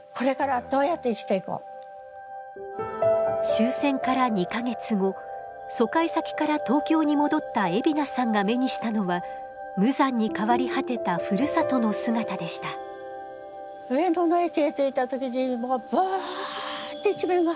終戦から２か月後疎開先から東京に戻った海老名さんが目にしたのは無残に変わり果てたふるさとの姿でした上野の駅へ着いた時にもうブワって一面が。